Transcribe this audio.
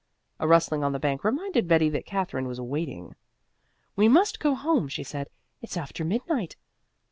A rustling on the bank reminded Betty that Katherine was waiting. "We must go home," she said. "It's after midnight."